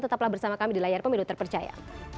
tetaplah bersama kami di layar pemilu terpercaya